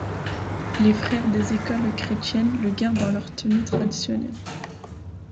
Les frères des écoles chrétiennes le gardent dans leur tenue traditionnelle.